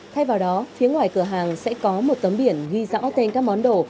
thay vào đó phía ngoài cửa hàng sẽ có một tấm biển ghi rõ tên các món đồ